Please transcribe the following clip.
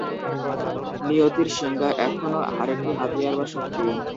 নিয়তির শিঙ্গা এখনো আরেকটা হাতিয়ার বা শক্তি।